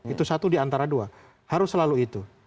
itu satu diantara dua harus selalu itu